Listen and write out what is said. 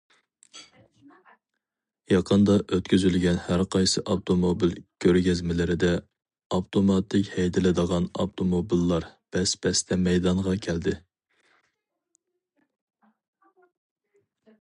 يېقىندا ئۆتكۈزۈلگەن ھەر قايسى ئاپتوموبىل كۆرگەزمىلىرىدە، ئاپتوماتىك ھەيدىلىدىغان ئاپتوموبىللار بەس- بەستە مەيدانغا كەلدى.